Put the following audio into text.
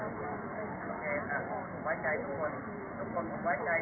ก็จะมีอันดับอันดับอันดับอันดับอันดับ